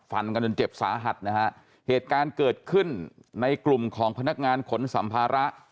ฟันกันจนเจ็บสาหัสนะฮะเหตุการณ์เกิดขึ้นในกลุ่มของพนักงานขนสัมภาระ